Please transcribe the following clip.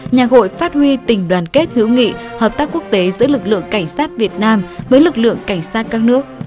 nhà hội phát huy tình đoàn kết hữu nghị hợp tác quốc tế giữa lực lượng cảnh sát việt nam với lực lượng cảnh sát các nước